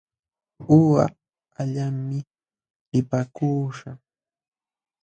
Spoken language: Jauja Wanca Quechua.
Uqa allaqmi lipaakuśhaq.